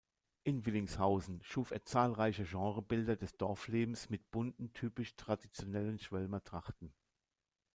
In Willingshausen schuf er zahlreiche Genrebilder des Dorflebens mit bunten typisch traditionellen Schwälmer Trachten.